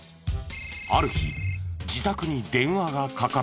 ある日自宅に電話がかかってきた。